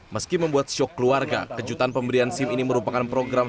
meski membuat syok keluarga kejutan pemberian sim ini merupakan program